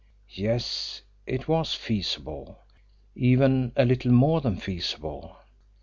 Yes, it was feasible; even a little more than feasible.